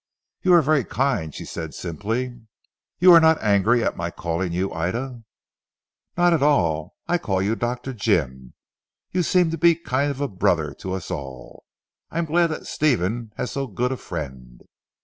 "You are very kind," she said simply. "You are not angry at my calling you Ida?" "Not at all. I call you Dr. Jim. You seem to be a kind of brother to us all. I am glad that Stephen has so good a friend."